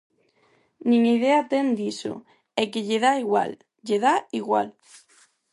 Nin idea ten diso, é que lle dá igual, lle dá igual.